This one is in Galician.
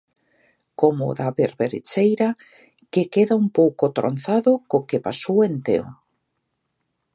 Como o da Berberecheira, que queda un pouco tronzado co que pasou en Teo.